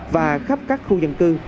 và khắp các khu dân cư